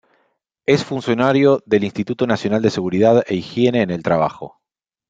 Es funcionario del Instituto Nacional de Seguridad e Higiene en el Trabajo.